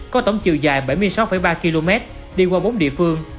có tổng chiều dài bảy mươi sáu ba km đi qua bốn địa phương